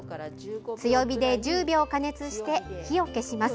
強火で１０秒加熱して火を消します。